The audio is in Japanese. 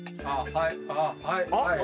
はいはい。